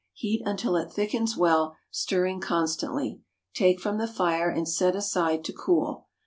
Heat until it thickens well, stirring constantly; take from the fire and set aside to cool.